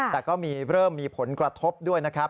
แต่ก็มีเริ่มมีผลกระทบด้วยนะครับ